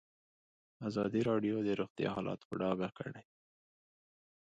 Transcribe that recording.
ازادي راډیو د روغتیا حالت په ډاګه کړی.